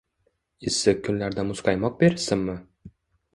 Issiq kunlarda muzqaymoq berishsinmi?